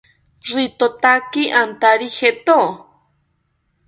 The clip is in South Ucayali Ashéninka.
Ritotaki antari jeto